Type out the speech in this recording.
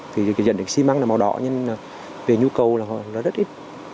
thì dẫn đến xi măng là màu đỏ nhưng về nhu cầu nó rất ít